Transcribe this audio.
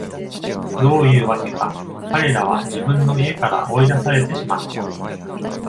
どういうわけか、彼らは自分の家から追い出されてしまった。